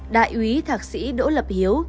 đại úy thạc sĩ đỗ lập hiếu